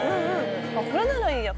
これならいいや。